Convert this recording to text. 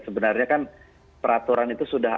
sebenarnya kan peraturan itu sudah